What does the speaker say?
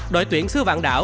đội tuyển sư vạn đảo